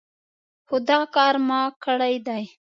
هو دا کار ما کړی دی.